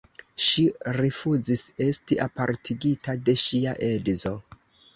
Ŝi rifuzis esti apartigita de ŝia edzo.